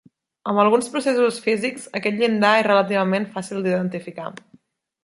Amb alguns processos físics, aquest llindar és relativament fàcil d'identificar.